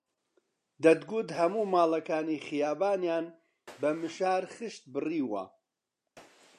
دەتگوت هەموو ماڵەکانی خەیابانیان بە مشار خشت بڕیوە